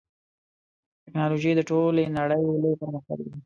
ټکنالوژي د ټولې نړۍ لوی پرمختګ دی.